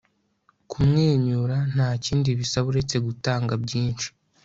kumwenyura nta kindi bisaba uretse gutanga byinshi